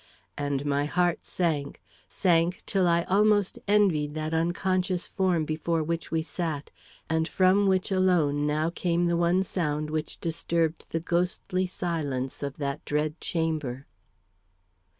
And my heart sank sank till I almost envied that unconscious form before which we sat, and from which alone now came the one sound which disturbed the ghostly silence of that dread chamber.